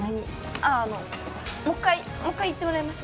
あああのもう一回もう一回言ってもらえます？